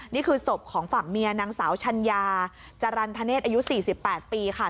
นี่คือศพของฝั่งเมียนางสาวชัญญาจรรธเนศอายุ๔๘ปีค่ะ